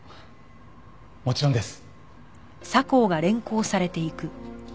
もちろんです。